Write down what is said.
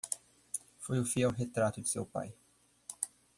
Foi o fiel retrato de seu pai.